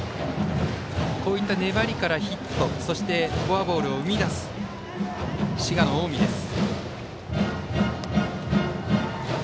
こういった粘りからヒット、フォアボールを生み出す滋賀の近江です。